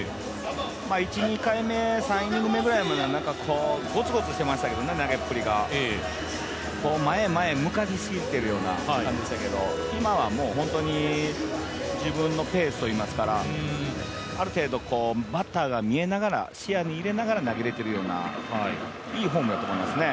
１、２回目、３イニング目までは投げっぷりがゴツゴツしていましたけど前へ前へ向かいすぎているような感じでしたけど今は本当に自分のペースといいますかある程度、バッターが見えながら、視野に入れながら投げれてるようないいフォームだと思いますね。